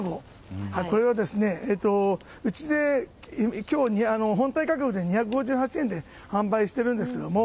これはですねうちで今日本体価格で２５８円で販売してるんですけれども。